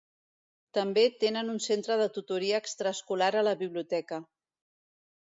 També tenen un centre de tutoria extraescolar a la biblioteca.